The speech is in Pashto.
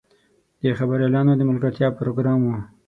د خبریالانو د ملګرتیا پروګرام و.